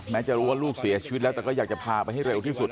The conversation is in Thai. จะรู้ว่าลูกเสียชีวิตแล้วแต่ก็อยากจะพาไปให้เร็วที่สุด